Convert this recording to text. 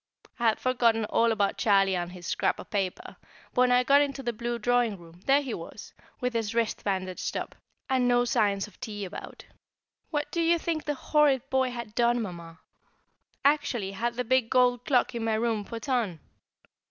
I had forgotten all about Charlie and his scrap of paper, but when I got into the blue drawing room, there he was, with his wrist bandaged up, and no signs of tea about. What do you think the horrid boy had done, Mamma? Actually had the big gold clock in my room put on!